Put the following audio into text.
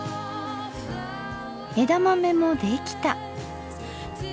枝豆もできた。